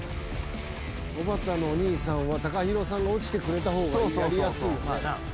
おばたのお兄さんはＴＡＫＡＨＩＲＯさんが落ちてくれた方がやりやすいよね。